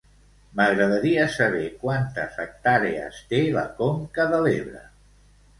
M'agradaria saber quantes hectàrees té la Conca de l'Ebre.